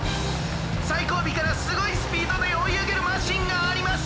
さいこうびからすごいスピードでおいあげるマシンがあります！